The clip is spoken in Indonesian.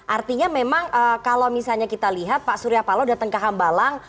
artinya memang kalau misalnya kita lihat pak surya palo datang ke hambalang